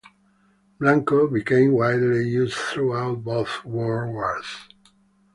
Blanco became widely used throughout both world wars.